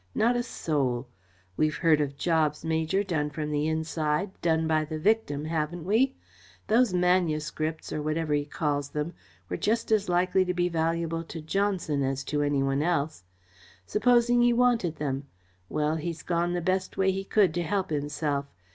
Not a soul. We've heard of jobs, Major, done from the inside, done by the victim, haven't we? Those manuscripts, or whatever he calls them, were just as likely to be valuable to Johnson as to any one else. Supposing he wanted them? Well, he's gone the best way he could to help himself.